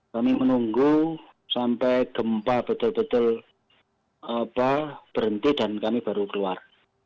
kami menunggu sampai gempa betul betul berhenti dan kami baru keluar